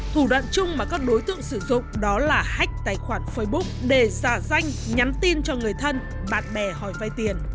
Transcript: thủ đoạn chung mà các đối tượng sử dụng đó là hách tài khoản facebook để giả danh nhắn tin cho người thân bạn bè hỏi vai tiền